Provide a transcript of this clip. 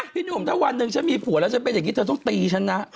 พี่หนุ่มถ้าวันหนึ่งฉันมีผัวแล้วฉันเป็นอย่างนี้เธอต้องตีฉันนะ